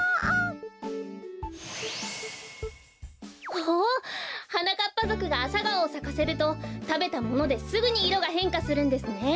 おおはなかっぱぞくがアサガオをさかせるとたべたものですぐにいろがへんかするんですね。